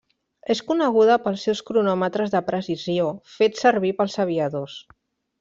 És coneguda pels seus cronòmetres de precisió fets servir pels aviadors.